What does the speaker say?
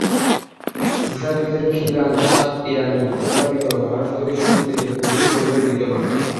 ক্রুশাকৃতির খিলান ছাদ ইরানি স্থাপত্যে বারো শতকের শুরু থেকে প্রচুর পরিমাণে বিদ্যমান।